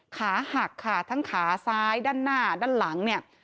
ขาหักค่ะทั้งขาซ้ายด้านหน้าด้านหลังเนี่ย